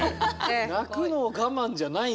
泣くのを我慢じゃないんだね。